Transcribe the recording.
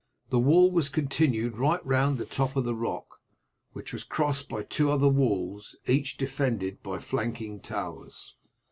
The wall was continued right round the top of the rock, which was crossed by two other walls each defended by flanking towers.